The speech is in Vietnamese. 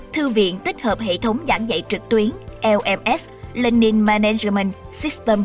thư viện tích hợp hệ thống giảng dạy trực tuyến lms